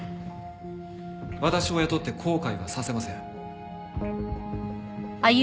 私を雇って後悔はさせません。